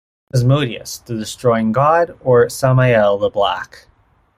Asmodeus: The Destroying God or Samael the Black.